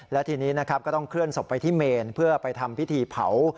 และทีนี้นะครับก็ต้องเคลื่อนศพไปที่เมนเพื่อไปทำพิธีเผา